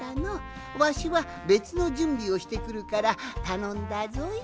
わしはべつのじゅんびをしてくるからたのんだぞい。